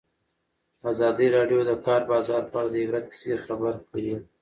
ازادي راډیو د د کار بازار په اړه د عبرت کیسې خبر کړي.